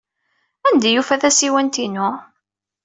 Anda ay yufa tasiwant-inu?